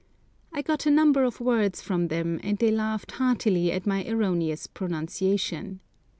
I got a number of words from them, and they laughed heartily at my erroneous pronunciation.